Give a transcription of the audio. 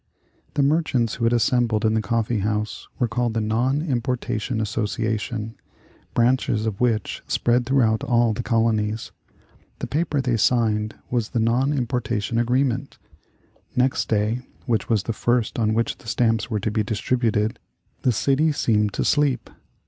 The merchants who had assembled in the coffee house were called the Non Importation Association, branches of which spread throughout all the colonies. The paper they signed was the non importation agreement. Next day, which was the first on which the stamps were to be distributed, the city seemed to sleep.